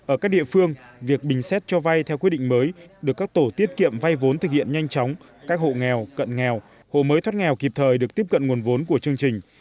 ở các địa phương việc bình xét cho vay theo quyết định mới được các tổ tiết kiệm vay vốn thực hiện nhanh chóng các hộ nghèo cận nghèo hộ mới thoát nghèo kịp thời được tiếp cận nguồn vốn của chương trình